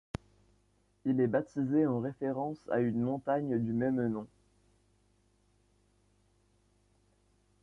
Il est baptisé en référence à une montagne du même nom.